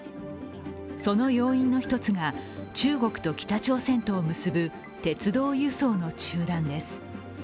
その要因の１つが中国と北朝鮮とを結ぶ鉄道輸送の中断です。